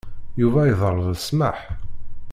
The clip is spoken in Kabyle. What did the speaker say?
Yuba yeḍleb ssmaḥ